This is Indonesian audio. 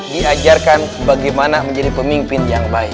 diajarkan bagaimana menjadi pemimpin yang baik